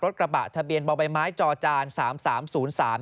กระบะทะเบียนบ่อใบไม้จอจานสามสามศูนย์สาม